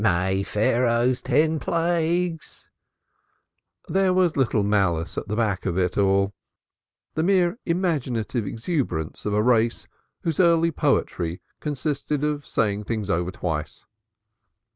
May Pharaoh's ten plagues " There was little malice at the back of it all the mere imaginative exuberance of a race whose early poetry consisted in saying things twice over.